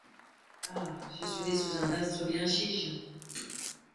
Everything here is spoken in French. Ah ! je suis né sous un astre bien chiche !